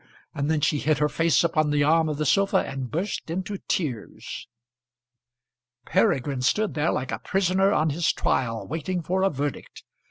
And then she hid her face upon the arm of the sofa and burst into tears. Peregrine stood there, like a prisoner on his trial, waiting for a verdict.